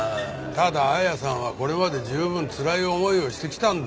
ただ綾さんはこれまで十分つらい思いをしてきたんだ。